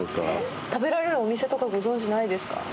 食べられるお店とかご存じないですか？